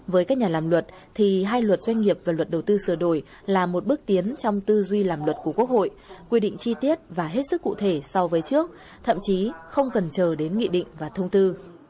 với các nhà làm luật thì hai luật doanh nghiệp và luật đầu tư sửa đổi là một bước tiến trong tư duy làm luật của quốc hội quy định chi tiết và hết sức cụ thể so với trước thậm chí không cần chờ đến nghị định và thông tư